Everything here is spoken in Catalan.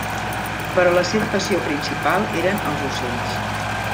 Però la seva passió principal eren els ocells.